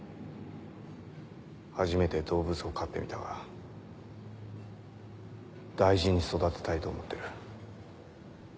初めて動物を飼ってみたが大事に育てたいと思ってる。